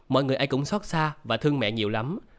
mọi người ai cũng xót xa và thương mẹ nhiều lắm